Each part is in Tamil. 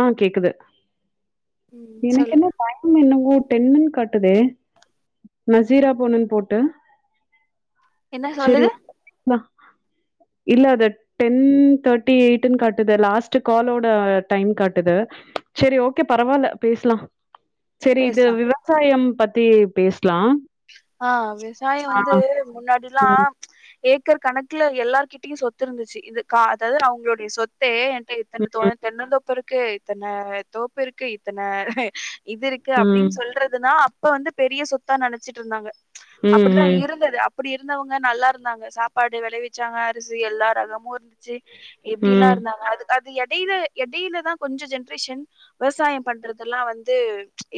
ஆ கேக்குது ம் எனக்கு சொல்லுங்க என்ன டைம் என்னவோ டென்னுன்னு காட்டுதே நா சீரோபோனுனு போட்ட என்ன சொல்லுது இல்ல அது டென் தேட்டி எயிட்ன்னு காட்டுது லாஸ்ட்டு காலோட டைம் காட்டுது சேரி ஓகே பரவால்ல பேசலா சேரி இது பேசலாம் விவசாயம் பத்தி பேசலா ஆ விசாயோ வந்து முன்னாடிலா ம். ஏக்கர் கணக்குல எல்லார்கிட்டயு சொத்து இருந்துச்சு இது காத அவுங்களுடைய சொத்தே என்ட்ட இத்தண தோ ம். தென்னந்தோப்பு இருக்கு இத்தன தோப்பு இருக்கு இத்தன இது இருக்கு ம். அப்டின்னு சொல்றதுதா அப்ப வந்து பெரிய சொத்தா நனைச்சிட்டு இருந்தாங்க ம். அப்படித்தா ம். இருந்தது அ அப்படி இருந்தவுங்க நல்லா இருந்தாங்க சாப்பாடு வெளவிச்சாங்க அரிசி எல்லா ரகமு இருந்துச்சு எப்படில்லா ம். இருந்தாங்க அது அது இடையில இடையில தா கொஞ்ச ஜென்ரேஷன் விவசாயம் பண்றதெல்லா வந்து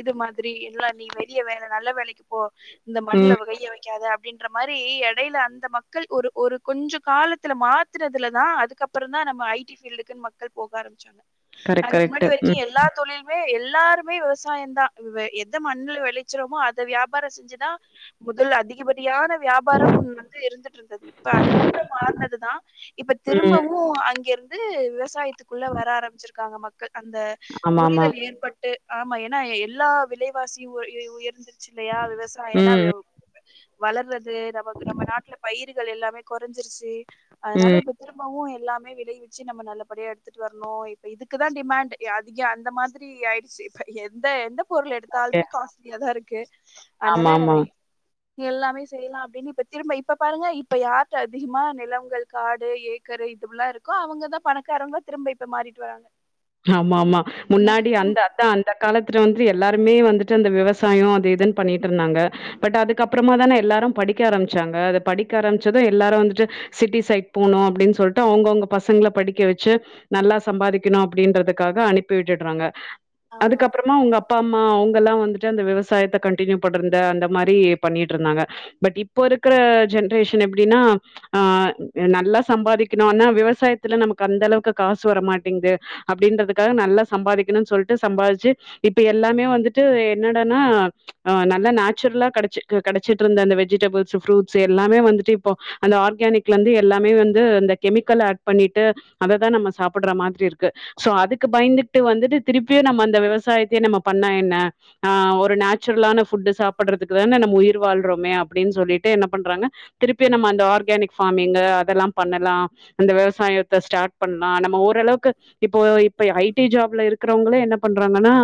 இது மாதிரி இல்லா நீ வெளிய வேல நல்ல வேலைக்கு போ இந்த ம். மண்ல வ கைய வய் க்காத அப்டின்ற மாரி எடையில அந்த மக்கள் ஒரு ஒரு கொஞ்ச காலத்துல மாத்துறதுல தா அதுக்கப் ப்றம் தா நம்ம ஐ டி ஃபீல்டுக்கு மக்கள் போக ஆரம்பிச்சாங்க கரெக்ட், அதுக்கு கரெக்ட். முன்னாடி வரைக்கு ம். எல்லா தொழில் மே எல்லாருமே விவசாயந்தா வ்வ எத மண்ணு வெளச்சறோமோ அத வியா பார செஞ்சுதா முதல்ல அதிகபட்சமா சரியான வியாபாரம் வந்து இருந்துட்டு இருந்தது இப்ப அதுக்கப்புற மாறனதுதா இப்ப ம். திரும்பவு அங்கிருந்து இது விவசாயத்துக்குள்ள வர ஆரம்பிச்சிருக்காங்க மக்கள் அந்த ஆமாமா. புரிதல் ஏற்பட் டு ஆமா ஏன்னா எல்லா விலைவாசியு யு எ உயர்ந்துருச்சு இல்லையா விவசாயனா ம். வ் வளர்றது நமக்கு நம்ம நாட்ல பயிர்கள் எல்லாமே குறைஞ்சிருச்சு அதனால ம். இப்ப திரும்பவு எல்லாமே விளைவி ச்சி நம்ம நல்லபடியா எடுத்துட்டு வரணு இப்ப இதுக்குதா டிமாண்டு அதிக அந்த மாதிரி ஆயிடுச்சு இப்ப எந்த எந்த பொருள் ஓகே. எடுத்தாலுமே காஸ்ட்லியா தா இருக்கு அனால ஆமாமா. எல்லாமே செய்யலா அப்டின்னு இப்ப திரும்ப இப்ப பாருங்க இப்ப யார்ட்ட அதிகமா நிலங்கள் காடு ஏரி க்கரை இதுவெல்லா இருக்கோ அவுங்க தா பணக்காரங்களா திரும்ப இப்ப மாறிட்டு வராங்க ஆமா ஆமா முன்னாடி அந்த அதான் அந்த காலத்துல வந்து எல்லாருமே வந்துட்டு அந்த விவசாயோ அது இதுன்னு பண்ணிட்டு இருந்தாங்க பட் அதுக்கப்புறமா தான எல்லாரு படிக்க ஆரம்பிச்சாங்க அத படிக்க ஆரம்பிச்சது எல்லாரும் வந்துட்டு சிட்டி சைட் போனு அப்டின்னு சொல்ட்டு அவுங்கவுங்க பசங்கள படிக்க வச்சு நல்லா சம்பாதிக்கணு அப்டின்றதுக்காக அனுப்பி விட்டுடுறாங்க ஆமா அதுக்கப்பற மா உங்க அப்பா அம்மா அவுங்கல்லா வந்துட்டு அந்த விவசாயத்த கண்டினியூ பண்றந்த அந்த மாரி பண்ணிட்ருந்தாங்க பட் இப்ப இருக்கிற ஜென்ரேஷன் எப்டின்னா ஆ நல்லா சம்பாதிக்கணுனா விவசாயத்துல நமக்கு அந்தளவுக்கு காசு வரமாட்டிங்து அப்டின்றதுக்காக நல்லா சம்பாதிக்கணுன் சொல்ட்டு சம்பாதிச்சி இப்ப எல்லாமே வந்துட்டு என்னடன்னா ஆ நல்ல நேச்சுரலா கெடச்சிக் கெடச்சிட்ருந்த அந்த வெஜிடபிள்ஸு ஃப்ரூட்ஸு எல்லாமே வந்துட்டு இப்போ அந்த ஆர்கானிக்ல இருந்து எல்லாமே வந்து அந்த கெமிக்கல ஆட் பண்ணிட்டு அத தா நம்ம சாப்டற மாத்ரி இருக்கு சோ அதுக்கு பயந்துக்ட்டு வந்துட்டு திருப்பியு நம்ம அந்த விவசாயத்தையே நம்ம பண்ணா என்ன ஆ ஒரு நேச்சுரலான ஃபுட்டு் சாப்பிடுறதுக்கு தான நம்ம உயிர் வாழ்றோமே அப்டின் சொல்லீட்டு என்ன பண்றாங்க திருப்பியு நம்ம அந்த ஆர்கானிக் ஃபார்மிங்கு அதெல்லா பண்ணலா இந்த விவசாயத்த ஸ்டார்ட் பண்ணலா நம்ம ஓரளவுக்கு இப்போ இப்ப ஐ டி ஜாப்ல இருக்குறவங்களே என்ன பண்றாங்கன்னா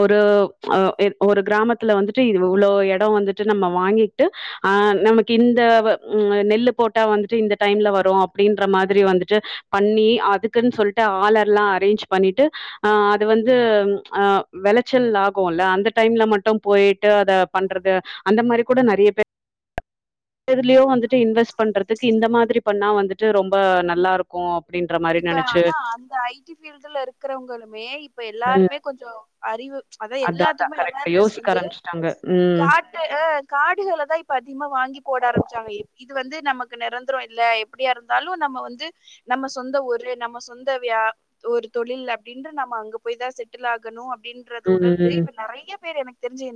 ஒரு அ எ ஒரு கிராமத் துல வந்துட்டு இவ்ளோ எடோ வந்துட்டு நம்ம வாங்கிட்டு அ நமக்கு இந்த ம் நெல்லு போட்டா வந்துட்டு இந்த டைம்ல வரு அப்டின்ற மாத்ரி வந்துட்டு பண்ணி அதுக்குன் சொல் ட்டு ஆளர்ல்லா அரேஞ்ச் பண்ணிட்டு ஆ அது வந்து ஆ வெளச்சல் ஆகுல்ல அந்த டைம்ல மட்டு போயிட்டு அத பன்றது அந்த மாரி கூட நெறைய பேர் எதுலயோ வந்துட்டு இன்வெஸ்ட் பண்றதுக்கு இந்த மாத்ரி பண்ணா வந்துட்டு ரொம்ப நல்லாருக் கு அப்டின்ற மா இப்ப அதா அந்த ஐ டி ஃபீல்டுல இருக்கறவங்களுமே இப்ப ம். எல்லாருமே கொஞ்சோ அறிவு அத அதா அதா எல்லாத்துக்குமே கரெக்ட் அவர்னஸ் யோசிக்க வந்து ஆரம்பிச்சுட்டாங்க. ம் கா அ காடுகள தா இப்ப அதிகமா வாங்கி போட ஆரம்பிச்சாங்க இது வந்து நமக்கு நெரந்தரோ இல்ல எப்டியா இருந்தாலு நம்ம வந்து நம்ம சொந்தஊரு நம்ம சொந்த வியா ஒரு தொழில் அப்டின்ட்டு நம்ம அங்க போய் தா செட்டில் ஆகணு அப்டின்றது ம் உணர்ந்து ம். இப்ப நெறைய பேர் எனக்கு தெரிஞ்சி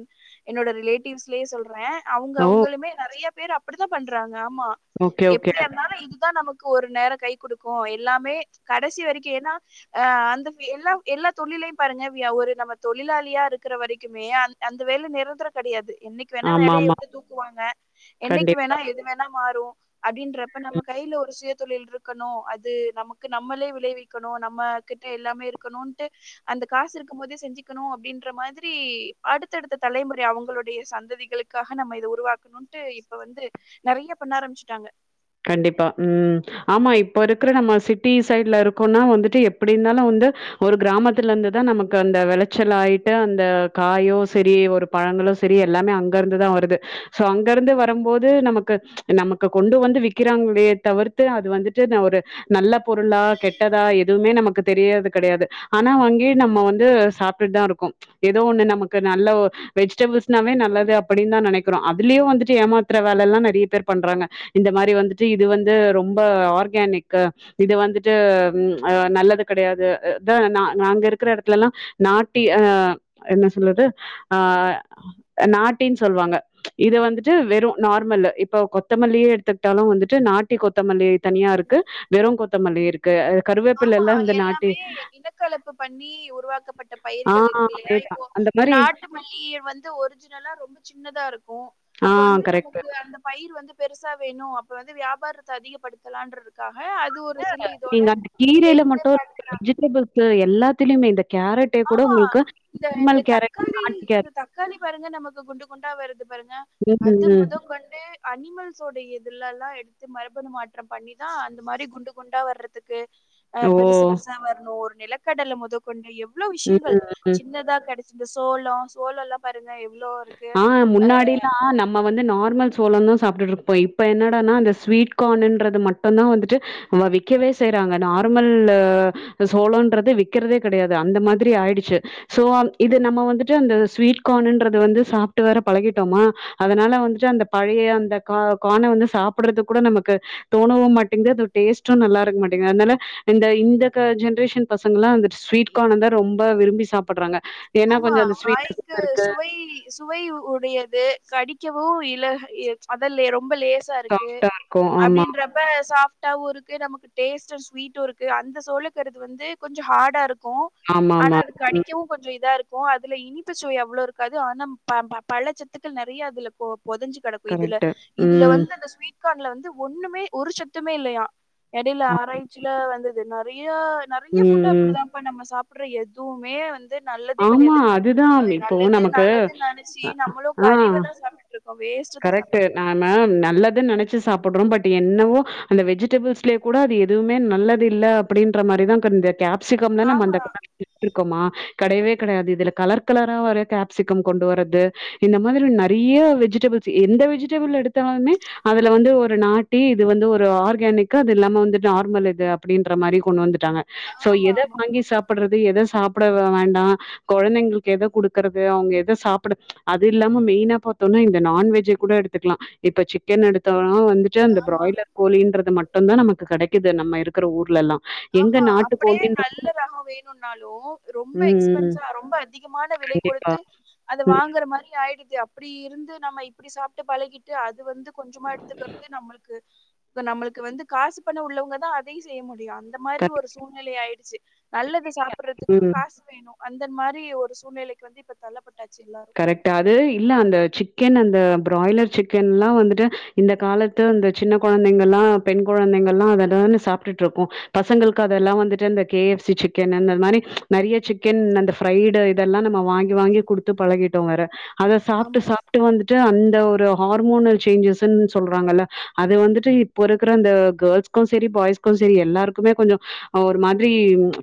என்னோட ரிலேட்டிவ்ஸ்லயே சொல்றே அவுங்க ஓ! அவுங்களுமே நெறைய பேர் அப்டித்தா பண்றாங்க ஆமா ஓகே, ஓகே. எப்டி இருந்தாலு இது தா நமக் கு ஒரு நேரோ கை குடுக்கு எல்லாமே கடைசி வரைக்கி ஏனா ஆ அந்த எல்லா எல்லா தொழிலையு பாருங்க வியா ஒரு நம்ம தொழிலாளியா இருக்கிற வரைக்குமே அந்த வேல நெரந்தரோ கெடையாது என்னைக் கு வேணா வேலய ஆமாமா. உட்டு தூக்குவாங்க என்னைக்கு வேணா கண்டிப்பா. எது வேணா மாறு அப்டின்றப்ப நம்ம கைல ஒரு சுயதொழில் இருக்கணு அது நமக்கு நம்மளே விளைவிக்கணு நம்ம கிட்ட எல்லாமே இருக்கணுன்ட்டு அந்த காசு இருக்கும்போதே செஞ்சிக்கணு அப்டின்ற மாத்ரி அடுத்தடுத்த தலைமுறை அவுங்களுடைய சந்ததிகளுக் காக நம்ம இத உருவாக்கணுன்ட்டு இப்ப வந்து நெறைய பண்ண ஆரம்பிச்சிட்டாங்க கண்டிப்பா ம் ஆமா இப்ப இருக்கிற நம்ம சிட்டி சைட்ல இருக்கோனா வந்துட்டு எப்டினாலு வந்து ஒரு கிராமத்துல இருந்துதா நமக்கு அந்த வெளச்சல் ஆயிட்டு அந்த காயோ செரி ஒரு பழங்களோ செரி எல்லாமே அங்க இருந்துதா வருது சோ அங்கருந்து வரும்போது நமக்கு நமக்கு கொண்டு வந்து விக் கிறாங்களே தவிர்த்து அது வந்துட்டு நா ஒரு நல்ல பொருளா கெட்டதா எதுவுமே நமக்கு தெரியற்து கெடையாது ஆனா வாங்கி நம்ம வந்து சாப்ட்டுட்டு தா இருக்கோ எதோ ஒண்ணு நமக்கு நல்ல வெஜிடபிள்ஸ்னாவே நல்லது அப்படின் தா நெனைக்கிறோ அதுலயு வந்துட்டு ஏமாத்தற வேலல்லா நெறைய பேர் பண்றாங்க இந்த மாரி வந்துட்டு இது வந்து ரொம்ப ஆர்கனிக்கு இது வந்துட்டு அ நல்லது கெடையாது தா நா நாங்க இருக்கிற எடத்துலல்லா நாட்டி அ என்ன சொல்லது ஆ நாட்டின் சொல்வாங்க இது வந்துட்டு வெறு நார்மல்லு இப்ப கொத்தமல்லியே எடுத்துக்கிட்டாலு வந்து டு நாட்டி கொத்தமல்லி தனியா இருக்கு வெறு கொத்தமல்லி இருக்கு கருவேப் ஆமா எல்லாமே இனக்கலப்பு பண்ணி உருவாக்கப்பட்ட பயிர்கள் இருக்குல்லையா இப்போ இந்த மாரி நாட்டு மல்லி வந்து ஒரிஜினலா ரொம்ப சின்னதா இருக்கு ஆ அப்ப வந்து கரெக்ட் நமக்கு அந்த பயிர் வந்து பெருசா வேணு அப்பறோ வந்து வியாபாரத்த அதிகப்படுத்தலான்றதுக்காக அது ஒரு சில இதோட நீங்க அந்த கீரையில சேர்ந்து மட்டு ப- [inaudible] வெஜிடபிள்ஸ் எல்லாத்துலயுமே இந்த கேரட்டே கூட ஆமா உங்களுக்கு இந்த இந்த நிர்மல் கேரட் தக்காளி நாட்டு இந்த கேரட் தக்காளி பாருங்க நமக்கு குண்டு குண்டா வருது பாருங்க அது ம் மொத கொண்டு அனிமல்ஸோட எதுலல்லா எடுத்து மரபணு மாற்றம் பண்ணிதா அந்த மாரி குண்டு குண்டா வர்றதுக்கு ஆ ஓ! பெருசு பெருசா வரணு ஒரு நிலக்கடல முத கொண்டு எவ்வளோ ம், விஷயங்கள் ம். சின்னதா கடச் இந்த சோளோ சோளோல்லா பாருங்க எவ்ளோ இருக்கு ஆ அ முன்னாடிலாம் நம்ம வந்து நார்மல் சோளோந்தா சாப்ட்டு இருப்போ இப்ப என்னடான்னா அந்த ஸ்வீட் கார்ன்றது மட்டுந்தா வந்துட்டு ஆமா விக்கவே செய்றாங்க நார்மல்லு சோளோன்றது விக்கிறதே கிடையாது அந்த மாதிரி ஆய்டுச்சி ஸோ இது நம்ம வந்துட்டு அந்த ஸ்வீட் கார்னுன்றது வந்து சாப்ட்டு வேற பழகிட்டோமா அதனால வந்துட்டு அந்த பழைய அந்த கா கான வந்து சாப்டுறது கூட நமக்கு தோணவு மாட் டிங்கு அது டேஸ்டு நல்லா இருக்க மாட்டிங்கு அதனால இந்த இந்த க ஜென்ரேஷன் பசங்கல்லா வந்து ஸ்வீட் கார்ன தா ரொம்ப விரும்பி சாப்புடுறாங்க ஏன்னா ஆமா கொஞ்சோ அந்த ஸ்வீட் வாய்க்கு [inaudible] இருக்கு சுவை சுவை உ உடையது கடிக்கவு இல அதல்ல ரொம்ப லேச சா இருக்கு சாஃப்டா இருக்கும். ஆமா, அப்டின்ற ப்ப சாஃப்ட்டாவு இருக்கு நமக்கு டேஸ்ட்டு ஸ்வீட்டு இருக்கு அந்த சோளக்ககறுது வந்து கொஞ்சோ ஹார்டா இருக்கு ஆனா ஆமாமா அது ம். கடிக்கவு கொஞ்சோ இதா இருக்கு அதுல இனிப்பு சுவை அவ்ளோ இருக்காது ஆனா ப பல சத்துக்கள் நறைய அதுல போ பொதஞ்சு கெடக்கு இதுல கரெக்ட்டு. இதுல ம். வந்து அந்த ஸ்வீட் கார்ன்ல வந்து ஒண்ணுமே ஒரு சத்துமே இல்லையா எடைல ஆமா. ஆராய்ச்சில வந்தது நறைய நறைய ம், ஃபுட் ம். அப்டிதாப்பா நம்ம சாப்டுற எத் துமே வந் து நல்லதே ஆமா. கெடையாது அதுதான் நம்ம இப்போ நல்லது நமக்கு நல்லதுன் நனச்சி அ நம்மளு ஆ. கழிவ தா சாப்டுட்டு இருக்கோ ட்ருக்கோ வேஸ் கரெக்ட்டு நானு நல்லது நனச்சு சாப்புடுறோ பட் என்னவோ அந்த வெஜிடபிள்ஸ்லே கூட அது எதுவுமே நல்லது இல்ல அப்டின்ற மாரி தா அந்த கப் சிக்கம் தான ஆமா அந்த [inaudible] விட்ருகோமா கடையவே கடையாது இதுல கலர் கலரா வேர கேப்சிகம் கொண்டு வர்றது இந்த மாதிரி நறைய வெஜிடபிள்ஸ் எந்த வெஜிடபிள் எடுத்தாலுமே அதுல வந்து ஒரு நாட்டி இது வந்து ஒரு ஆர்கானிக்கு அது இல்லாம வந்து நார்மல் இது அப்டின்ற மாரி கொண்டு வந்துட்டாங்க சோ ஆமா எத ஆமா வாங்கி சாப்புட்றது எத சாப்ட வேண்டா கொழந்தைங்களுக்கு எத குடுக்குறது அவங்க எத சாப்ட அது இல்லாம மெய்னா பாத்தோனா இந்த நான்வெ ச கூட எடுத்துக்லா இப்ப சிக்கன் எடுத்தா வந்துட்டு அந்த ஆமா பிராய்லர் கோழின்றது மட்டுந்தா நமக்கு கடைக்குது நம்ம இருக்கிற ஊர்லல்லா எங்க ஆமா அப்படியே நாட்டுக்கோழின்ற நல்ல ரகோ வேணுன்னாலு ரொம்ப ம் ம் எக்ஸ்பென்ஸ்சா ரொம்ப அதிகமான விலை குடுத் கண்டிப்பா ட்டு அத ம் வாங்குற மாரி ஆயிடுது அப்டி இருந்து நம்ம இப்படி சாப்ட்டு பழகி ட்டு அது வந்து கொஞ்சமா எடுத்துக்றது நம்மளுக்கு இப்ப நம்மளுக்கு வந்து காசு பணோ உள்ளவங்கதா அதையு செய்ய முடியு அந்த மாரி கரெக்ட் ஒரு சூழ்நிலை ஆயிடுச்சு நல்லது சாப்பட்றதுக்கு ம் காசு வேணு அந்த மாரி ஒரு சூழ்நிலைக்கு வந்து இப்ப தள்ளப்பட்டாச்சு இல்ல கரெக்டா அது இல்ல அந்த சிக்கன் அந்த பிராய்லர் சிக்கன்லா வந்துட்டு இந்த காலத்து இந்த சின்ன கொழந்தைங்கள்லா பெண் கொழந்தைங்கள்லா அத டான் சாப்டுட்டுருக்கோ பசங்களுக்கு அதெல்லா வந்துட்டு அந்த கே எஃப் சி சிக்கன் அந்த மாரி நறைய சிக்கன் அந்த ப்ரைடு இதெல்லா நம்ம வாங்கி வாங்கி குடுத்து பழகிட்டோ வேற அத சாப்பிட்டு ஆமா சாப் ட்டு வந்துட்டு அந்த ஒரு ஹார்மோனல் சேஞ்சஸ்னு சொல்றாங்கல்ல அது வந்துட்டு இப்போ இருக்குற அந்த கேர்ள்ஸ்கு சரி பாய்ஸ்க்கு சரி எல்லாருக்குமே கொஞ்சோ ஒரு மாதிரி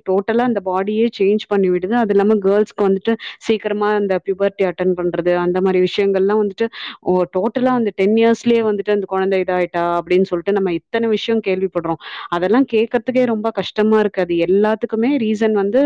டோட்டலா அந்த பாடியே சேஞ்ச் பண்ணி விடுது அது இல்லாம கேர்ள்ஸ்க்கு வந்துட்டு சீக்கிரமா இந்த பிபர்ட்டி அட்டன் பண்றது அந்த மாரி விஷயங்கள் எல்லா வந்துட்டு டோட்டலா அந்த டென் இயர்ஸ்லயே வந்துட்டு அந்த கொழந்தை இதாயி டா அப்டின் சொல்ட்டு நம்ம இத்தன விஷயோ கேள்விப்பட்றோ அதெல்லா கேக்றதுக்கே ரொம்ப கஷ்டமா இருக்கு அது எல்லாத்துக்குமே ரீசன் வந்து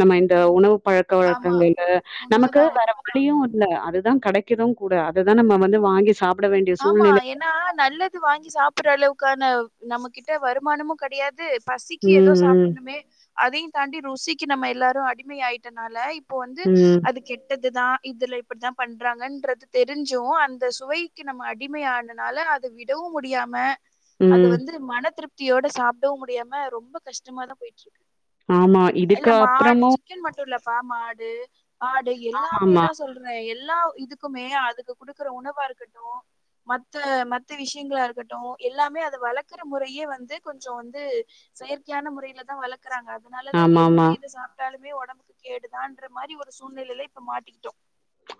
நம்ம இந்த உணவு பழ க்க ஆமா வழக்கங்களு நமக்கு உண்மதா வேற உண்மதா வழியு இல்ல அதுதா கடைக்கது கூட அததா நம்ம வந்து வாங்கி சாப் ஆமா ஏன்னா நல்லது வாங்கி சாப்டுற அளவுக்கான நம்ம கிட்ட வருமானமு கெடையாது பசிக்கு ஏதோ ம் சாப்புண்ணுமே அதையு தாண்டி ருசிக்கு நம்ம எல்லாரு அடிம ஆயிட்டனால இப்போ வந்து ம் ம் அது கெட்டதுதா இதுல இப்டிதா பண்றாங்கன்றது தெரிஞ்சு அந்த சுவை க்கு நம்ம அடிம ஆனனால அத விடவு முடியாம அது ம் வந்து மன திருப் த்தியோட சாப்டவு முடியாம ரொம்ப கஷ்டமா தா போயிட்டு இருக்கு ஆமா இல்ல இதுக்கு மாடு அப்புறமு சிக்கன் மட்டு இல்லப்பா மாடு ஆடு எல்லாமே ஆமாமா தா சொல் ற எல்லா இதுக்குமே அதுக்கு குடுக்குற உணவா இருக்க மத்த மத்த விஷயங்களா இருக்கட்டு எல்லாமே அத வளக்குற முறையே வந்து கொஞ்சோ வந்து செயற்கையான முறைல தா வளக்குறாங்க அதனாலதா எந்த ஆமாமா இத சா ப்டாலுமே ஒடம்புக்கு கேடுதான்ற மாரி ஒரு சூழ்நிலைல இப்ப மாட்டிக்கிட்டோ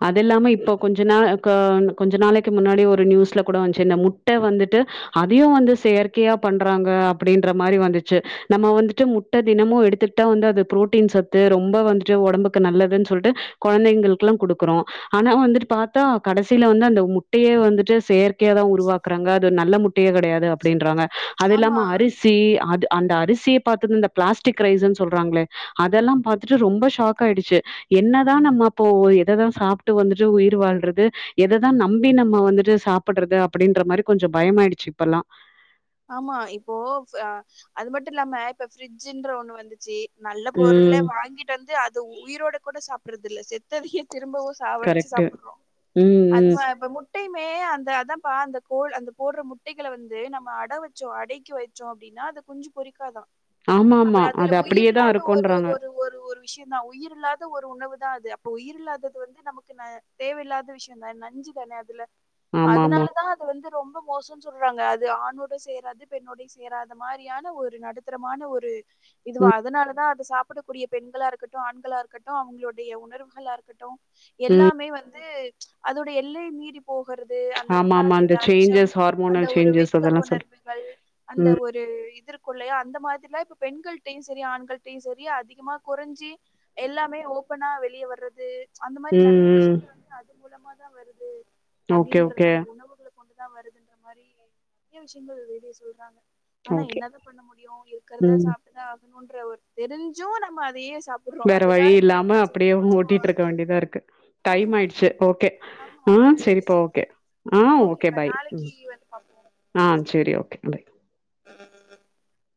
அது இல்லாம இப்போ கொஞ்ச நா கே கொஞ்ச நாளைக்கு முன்னாடி ஒரு நியூஸ்ல கூட வந்துச்சு இந்த முட்ட வந்துட்டு அதயு வந்து செயற்கையா பண்றாங்க அப்டின்ற மாரி வந்துச்சு நம்ம வந்துட்டு முட்ட தினமு எடுத்துகிட்டா வந்து அது புரோட்டீன் சத்து ரொம்ப வந்துட்டு ஒடம்புக்கு நல்லதுன் சொல்ட்டு கொழந்தைங்களுக்லா குடுக்குறோ ஆனா வந்துட்டு பாத்தா கடைசில வந்து அந்த முட்டையே வந்துட்டு செயற் கையா தா உருவாக்றாங்க அது நல்ல முட்டையே கடையாது அப்டின்றாங்க அது ஆமா இல்லாம அரிசி அது அந்த அரிசிய பாத்தது இந்த பிளாஸ்டிக் ரைஸ்ன் சொல்றாங்களே அதெல்லா பாத்துட்டு ரொம்ப ஷாக் ஆய்டுச்சு என்னதா நம்ம அப்போ எததா சாப்ட்டு வந்துட்டு உயிர் வாழ்றது எததா நம்பி நம்ம வந்துட்டு சாப்பட்றது அப்டின்ற மாரி கொஞ்சோ பயமாயிடுச்சு இப்பல்லா ஆமா இப்போ ச அது மட்டு இல்லாம இப்ப ஃபிரிட்ஜ்ன்ற ஒண்ணு வந்துச்சு நல்ல பொருள ம் வாங்கிட்டு வந்து அது உயிரோட கூட சாப்பட்றது இல்ல செத்ததையே திரும்பவு சாவடிச்சு கரெக்ட்டு சாப்ட்றோ ம் ம் அதும இப்ப முட் டையுமே அந்த அதாபா அந்த கோழ் அது போட்ற முட்டைகள வந்து நம்ம அட் அட வச்சோ அடைக்கி வைச்சோ அப்டின்னா அது குஞ்சு பொறிக்காதா ஆமாமா அது அப்டியே தா இருக்குன்றாங்க விஷயோ தா உயிரில்லாத ஒரு உணவு தா அது அப்போ உயிரில்லாதது வந்து நமக்கு ந தேவயில்லாத விஷயோந்தா நஞ்சு தான அதுல ஆமாமா அதனாலதா அத வந்து ரொம்ப மோசோன் சொல்றாங்க அது ஆறுநூறு சேராது பெண்ணோடையு சேராத மாரியான ஒரு நடுத்தரமான ஒரு இதுவா ம் அதனாலதா அத சாப் படக்கூடிய பெண்களா இருக்கட்டு ஆண்களா இருக்கட்டு அவங்களுடைய உணர்வுகளா இருக்கட்டு ம் எல்லாமே வந்து அதோடைய எல்லை மீறி போகுறது அந்த ஆமாமா இந்த முன்னாடிருந்த அச்சம் சேஞ்சஸ் அந்த ஹார்மோனல் ஒரு சேஞ்சஸ் வெட்க அதெல்லா சொல் உணர்வுகள் அந்த ம் ஒரு இது இருக்குல்லயா அந்த மாத்ரில்லா இப்ப பெண்கள்டயு செரி ஆண்கள்டயு செரி அதிகமா கொறஞ்சி எல்லாமே ஓபனா வெளிய வர்றது அந்த மாரி ம் நறைய ம் விஷ்யங்கள் வந்து அது மூலமா தா வருது ஓகே அப்டின்ற ஓகே நம்ம உணவுகள கொண்டு தா வருதுன்ற மாரி [inaudible] வெளிய சொல்றாங்க ஆனா ஓகே என்னதா பண்ண முடியு இருக்குறத ம் சாப் ட்டு தா ஆகனுன்ற ஒரு தெரிஞ்சு நம்ம அதயே சாப் வேற வழி இல்லாம அப்டியே ஓட்டிட்ருக்க வேண்டியதாருக்கு டைம் ஆய்ருச்சு ஓகே ஆமா ஆ சேரிப்பா ஓகே ஆ ஓகே ஓகேப்பா பாய் நாளைக்கு ம் வந்து பாப்போம் ஆ பாய் சேரி ஓகே பாய் [unintelligible]